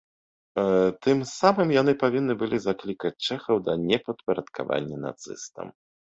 Тым самым яны павінны былі заклікаць чэхаў да непадпарадкавання нацыстам.